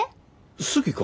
好きか？